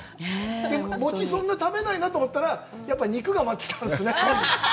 餅、そんなに食べないなと思ったら、肉が待ってたんですね。